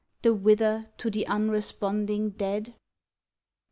The Whither to the unresponding dead?